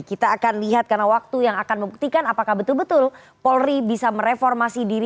kita akan lihat karena waktu yang akan membuktikan apakah betul betul polri bisa mereformasi diri